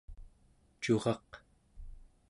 curaq¹